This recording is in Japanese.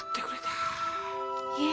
いえ。